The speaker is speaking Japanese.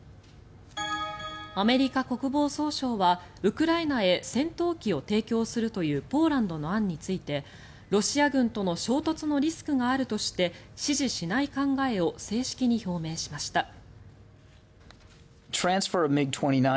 アメリカ国防総省はウクライナへ戦闘機を提供するというポーランドの案についてロシア軍との衝突のリスクがあるとして支持しない考えを正式に表明しました。